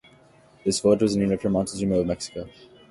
The village was named after Montezuma of Mexico.